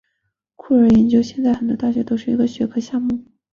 酷儿研究现在在很多大学都是一个学科项目。